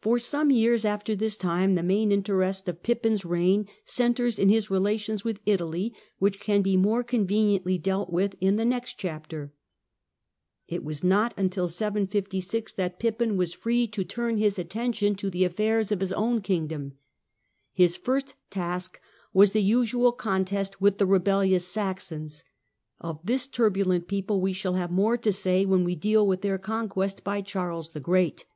For some years after this time the main interest of Pippin's reign centres in his relations with Italy, which can be more conveniently dealt with in the next chapter. Campaigns It was not till 756 that Pippin was free to turn his Saxons attention to the affairs of his own kingdom. His first task was the usual contest with rebellious Saxons. Of this turbulent people we shall have more to say when we deal with their conquest by Charles the Great.